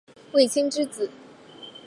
卫青之子。